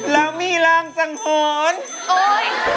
เรามีรางสังหรณ์